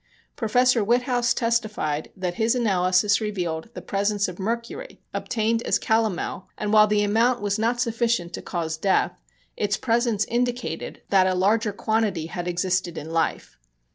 Professor Witthaus testified that his analysis revealed the presence of mercury, obtained as calomel, and while the amount was not sufficient to cause death, its presence indicated that a larger quantity had existed in life.